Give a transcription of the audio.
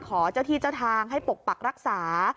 ขอเจ้าที่เจ้าทางให้ปกปักรักษา